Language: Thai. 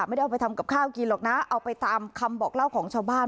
ไม่ได้เอาไปทำกับข้าวกินหรอกนะเอาไปตามคำบอกเล่าของชาวบ้าน